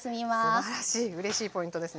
すばらしいうれしいポイントですね。